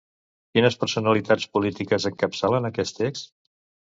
Quines personalitats polítiques encapçalen aquest text?